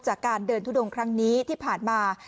จากการเดินทุดงครั้งนี้ที่ผ่านมา